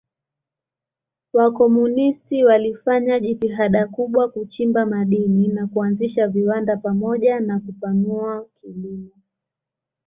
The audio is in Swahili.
Wakomunisti walifanya jitihada kubwa kuchimba madini na kuanzisha viwanda pamoja na kupanua kilimo.